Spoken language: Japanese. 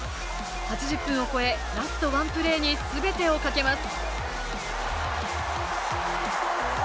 ８０分を超えラストワンプレーにすべてをかけます。